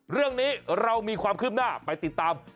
เรื่องนี้เรามีความคืบหน้าไปติดตาม